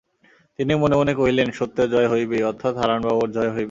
তিনি মনে মনে কহিলেন, সত্যের জয় হইবেই, অর্থাৎ হারানবাবুর জয় হইবেই।